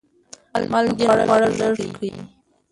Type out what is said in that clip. مالګین خواړه لږ کړئ.